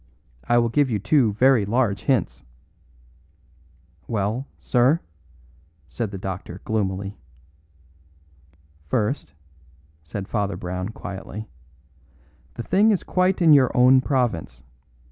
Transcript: I will give you two very large hints." "Well, sir?" said the doctor gloomily. "First," said Father Brown quietly, "the thing is quite in your own province.